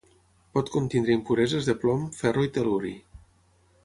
Pot contenir impureses de plom, ferro i tel·luri.